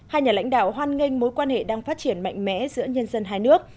một mươi ba hai nhà lãnh đạo hoan nghênh mối quan hệ đang phát triển mạnh mẽ giữa nhân dân hai nước